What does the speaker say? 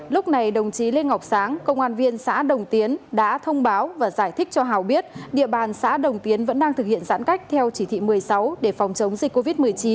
lúc này đồng chí lê ngọc sáng công an viên xã đồng tiến đã thông báo và giải thích cho hào biết địa bàn xã đồng tiến vẫn đang thực hiện giãn cách theo chỉ thị một mươi sáu để phòng chống dịch covid một mươi chín